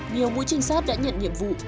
nhiều mũi trinh sát đã nhận nhiệm vụ